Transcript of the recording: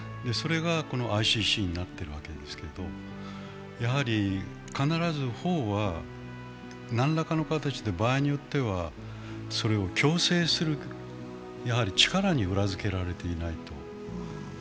それがＩＣＣになっているわけですけれどやはり必ず法は何らかの形で、場合によってはそれを強制する、力に裏づけられていないと。